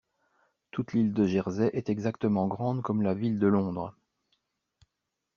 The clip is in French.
Toute l’île de Jersey est exactement grande comme la ville de Londres.